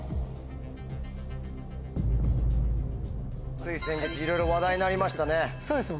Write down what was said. つい先月いろいろ話題になりましたね。